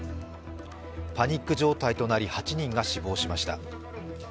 パニック状態となり８人が死亡しました。